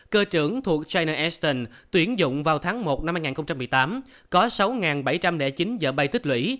cơ trưởng thuộc china eston tuyển dụng vào tháng một năm hai nghìn một mươi tám có sáu bảy trăm linh chín giờ bay tích lũy